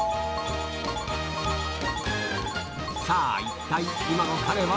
さぁ一体今の彼は？